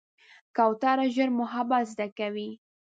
کوتره ژر محبت زده کوي.